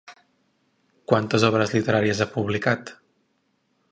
Quantes obres literàries ha publicat?